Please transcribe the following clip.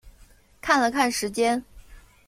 看了看时间